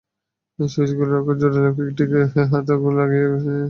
Swiss গোলরক্ষক জোরালো কিকটিতে হাতও লাগিয়ে ফেলেছিলেন, কিন্তু লাভ হলো না।